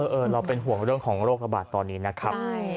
เราเป็นห่วงเรื่องของโรคระบาดตอนนี้นะครับ